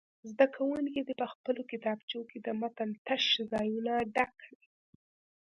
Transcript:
زده کوونکي دې په خپلو کتابچو کې د متن تش ځایونه ډک کړي.